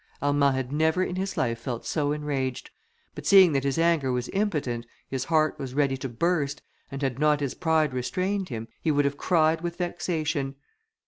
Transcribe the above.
Armand had never in his life felt so enraged, but seeing that his anger was impotent, his heart was ready to burst, and had not his pride restrained him, he would have cried with vexation.